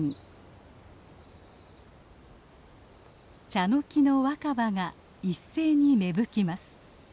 チャノキの若葉が一斉に芽吹きます。